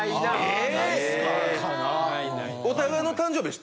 ・え！？